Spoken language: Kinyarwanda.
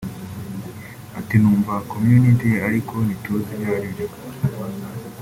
Ati “Numva community ariko ntituzi ibyo aribyo